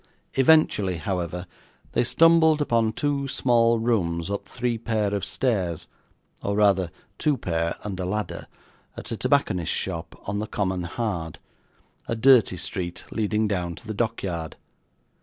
Eventually, however, they stumbled upon two small rooms up three pair of stairs, or rather two pair and a ladder, at a tobacconist's shop, on the Common Hard: a dirty street leading down to the dockyard.